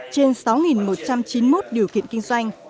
trên sáu một trăm chín mươi một điều kiện kinh doanh